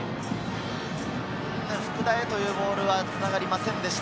福田へというボールはつながりませんでした。